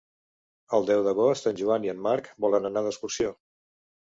El deu d'agost en Joan i en Marc volen anar d'excursió.